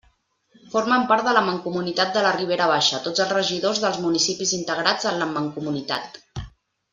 Formen part de la Mancomunitat de la Ribera Baixa tots els regidors dels municipis integrats en la Mancomunitat.